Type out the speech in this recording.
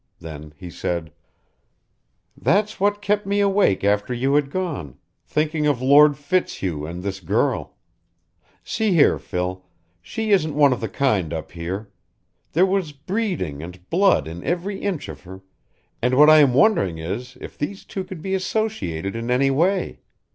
Then he said: "That's what kept me awake after you had gone thinking of Lord Fitzhugh and this girl. See here, Phil. She isn't one of the kind up here. There was breeding and blood in every inch of her, and what I am wondering is if these two could be associated in any way.